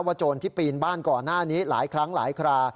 โจรที่ปีนบ้านก่อนหน้านี้หลายครั้งหลายครา